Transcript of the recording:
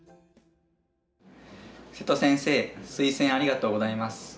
瀬戸先生推薦ありがとうございます。